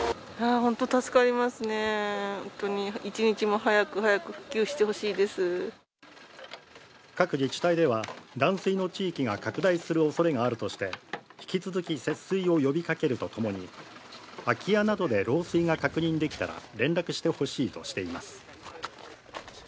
本当に一日も早く、早く、各自治体では、断水の地域が拡大するおそれがあるとして、引き続き節水を呼びかけるとともに、空き家などで漏水が確認できたら連絡してほしいとしています。